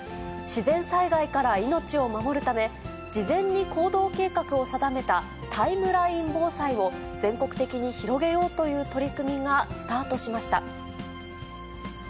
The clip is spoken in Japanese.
自然災害から命を守るため、事前に行動計画を定めた、タイムライン防災を全国的に広げようという取り組みがスタートしました。